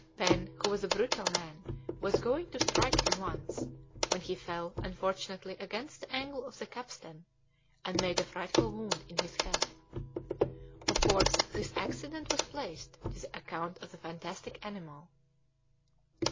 Pen, who was a brutal man, was going to strike him once, when he fell, unfortunately, against the angle of the capstan, and made a frightful wound in his head. Of course this accident was placed to the account of the fantastic animal.